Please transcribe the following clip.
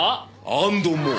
アンドモア。